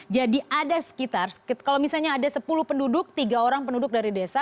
jadi ada sekitar kalau misalnya ada sepuluh penduduk tiga orang penduduk dari desa